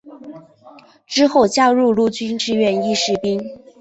之后加入陆军志愿役士兵。